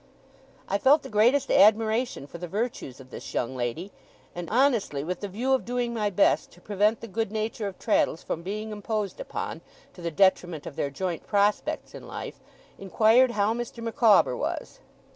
I felt the greatest admiration for the virtues of this young lady; and, honestly with the view of doing my best to prevent the good nature of Traddles from being imposed upon, to the detriment of their joint prospects in life, inquired how Mr. Micawber was?